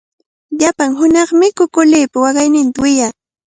Llapan hunaqmi kukulipa waqayninta wiyaa.